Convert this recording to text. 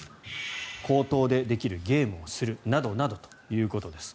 口頭でできるゲームをするなどなどということです。